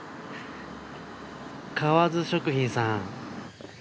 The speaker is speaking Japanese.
川津食品さん。